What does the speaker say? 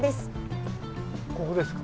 ここですか。